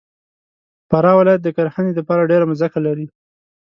فراه ولایت د کرهنې دپاره ډېره مځکه لري.